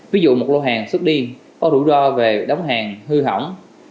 ví dụ một lộ hàng xuất đi có rủi ro về đóng hàng hư hỏng